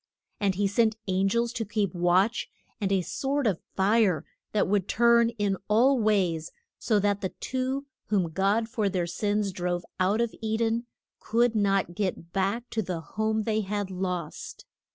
And he sent an gels to keep watch, and a sword of fire that would turn in all ways, so that the two whom God for their sins drove out of E den could not get back to the home they had lost.